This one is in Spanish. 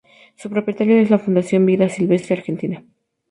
Su propietario es la Fundación Vida Silvestre Argentina.